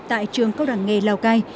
tại trường cốc đẳng nghề lào cai